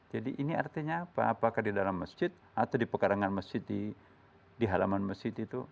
jadi ini artinya apa apakah di dalam masjid atau di pekarangan masjid di halaman masjid itu